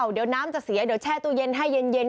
เดี๋ยวน้ำจะเสียเดี๋ยวแช่ตู้เย็นให้เย็น